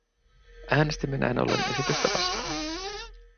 Äänestimme näin ollen esitystä vastaan.